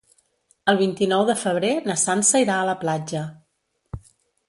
El vint-i-nou de febrer na Sança irà a la platja.